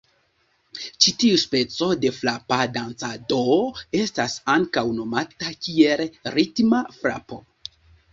Ĉi tiu speco de frapa dancado estas ankaŭ nomata kiel ritma frapo.